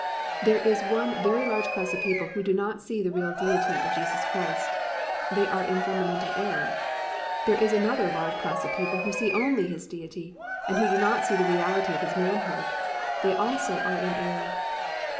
There is one very large class of people who do not see the real Deity of Jesus Christ. They are in fundamental error. There is another large class of people who see only His Deity, and who do not see the reality of His manhood. They also are in error.